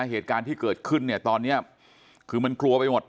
เหตุการณ์ที่เกิดขึ้นเนี่ยตอนเนี้ยคือมันกลัวไปหมด